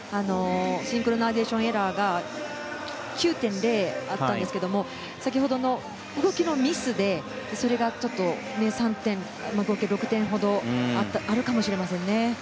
シンクロナイズドエラーが９．０あったんですが先ほどの動きのミスでそれがちょっと合計６点ほどあるかもしれませんね。